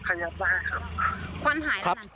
ควันหายแล้วนะ